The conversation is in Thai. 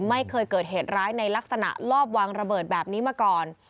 ไม่เคยเกิดเหตุร้ายในลักษณะลอบวางระเบิดแบบนี้มาก่อน